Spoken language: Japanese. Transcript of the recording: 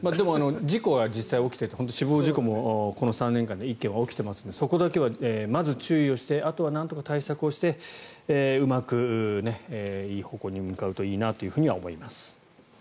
事故も実際に起きていて死亡事故もこの３年間で１件起きていますのであとはなんとか対策をしてうまくいいところに向かうといいなと思います。